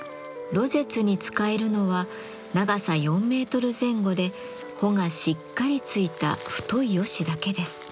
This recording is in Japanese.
廬舌に使えるのは長さ４メートル前後で穂がしっかり付いた太いヨシだけです。